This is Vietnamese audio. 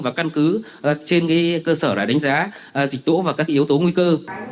và căn cứ trên cơ sở đánh giá dịch tổ và các yếu tố nguy cơ